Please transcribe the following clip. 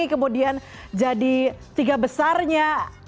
kemudian jadi tiga besarnya